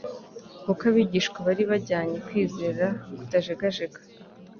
kuko abigishwa bari bajyanye kwizera kutajegajega,